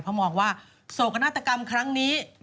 เพราะมองว่าโศกนาฏกรรมครั้งนี้